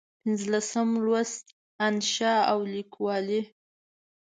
پنځلسم لوست: انشأ او لیکوالي